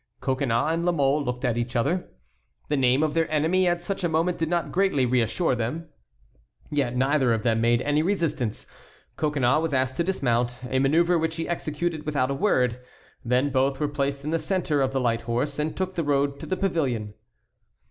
Coconnas and La Mole looked at each other. The name of their enemy at such a moment did not greatly reassure them. Yet neither of them made any resistance. Coconnas was asked to dismount, a manœuvre which he executed without a word. Then both were placed in the centre of the light horse and took the road to the pavilion.